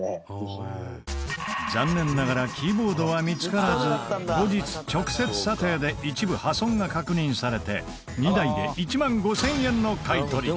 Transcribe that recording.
残念ながらキーボードは見つからず後日直接査定で一部破損が確認されて２台で１万５０００円の買い取り。